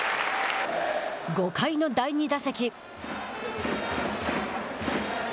５回の第２打席。